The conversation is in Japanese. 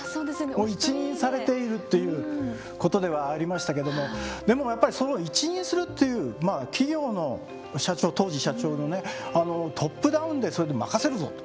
もう一任されているということではありましたけどもでもやっぱりその一任するというまあ企業の社長当時社長のねトップダウンでそうやって任せるぞと。